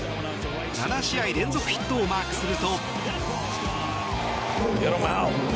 ７試合連続ヒットをマークすると。